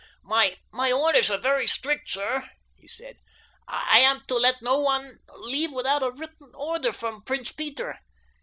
"My orders are very strict, sir," he said. "I am to let no one leave without a written order from Prince Peter.